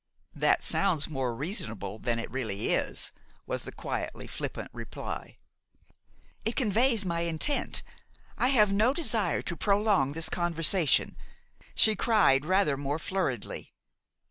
"That sounds more reasonable than it really is," was the quietly flippant reply. "It conveys my intent. I have no desire to prolong this conversation," she cried rather more flurriedly.